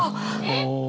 えっ！